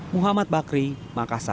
muhammad bakri makassar